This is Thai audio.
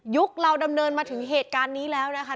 เราดำเนินมาถึงเหตุการณ์นี้แล้วนะคะ